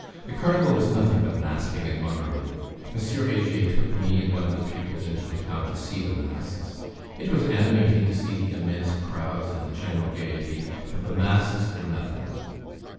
The Carnival was nothing but masking and mummery. M. Heger took me and one of the pupils into the town to see the masks. It was animating to see the immense crowds, and the general gaiety, but the masks were nothing.